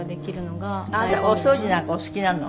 あなたお掃除なんかお好きなの？